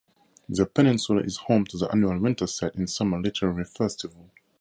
The peninsula is home to the annual Winterset in Summer Literary Festival.